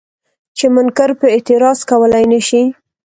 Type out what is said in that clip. چې منکر پرې اعتراض کولی نه شي.